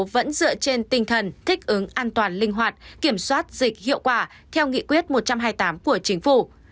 vẫn dựa trên tinh thần thích ứng an toàn linh hoạt kiểm soát dịch hiệu quả theo nghị quyết một trăm hai mươi tám của chính phủ